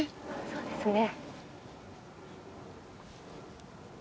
そうですね。